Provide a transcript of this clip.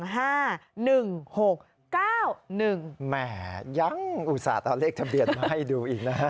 แหมยังอุตส่าห์เอาเลขทะเบียนมาให้ดูอีกนะฮะ